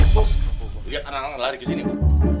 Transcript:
bu bu lihat anak anaknya lari kesini bu